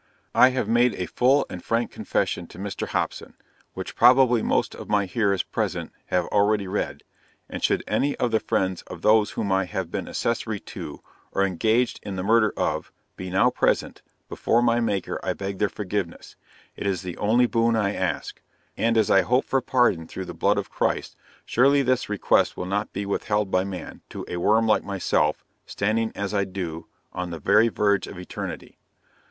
I have made a full and frank confession to Mr. Hopson, which probably most of my hearers present have already read; and should any of the friends of those whom I have been accessary to, or engaged in the murder of, be now present, before my Maker I beg their forgiveness it is the only boon I ask and as I hope for pardon through the blood of Christ, surely this request will not be withheld by man, to a worm like myself, standing as I do, on the very verge of eternity!